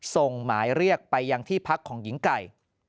ส่งหมายเรียกไปยังที่พักของหญิงไก่